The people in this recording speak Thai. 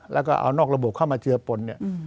แล้วก็เอานอกระบบเข้ามาเจือปนเนี่ย